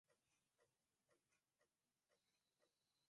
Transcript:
uamuzi namba nane na tisini ulionesha umahiri wa mahakama hiyo